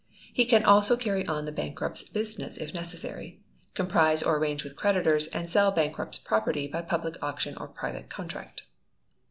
He can also carry on the bankrupt's business if necessary, compromise or arrange with creditors, and sell bankrupt's property by public auction or private contract.